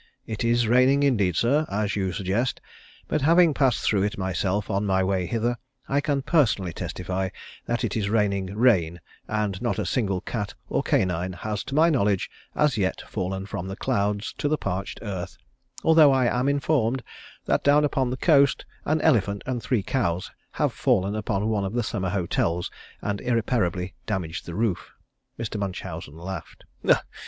It is raining indeed, sir, as you suggest, but having passed through it myself on my way hither I can personally testify that it is raining rain, and not a single cat or canine has, to my knowledge, as yet fallen from the clouds to the parched earth, although I am informed that down upon the coast an elephant and three cows have fallen upon one of the summer hotels and irreparably damaged the roof." Mr. Munchausen laughed.